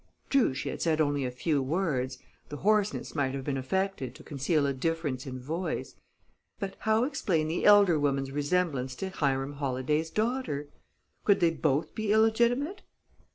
True, she had said only a few words the hoarseness might have been affected to conceal a difference in voice but how explain the elder woman's resemblance to Hiram Holladay's daughter? Could they both be illegitimate?